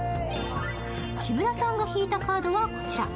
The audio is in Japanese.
木村さんが引いたカードはこちら。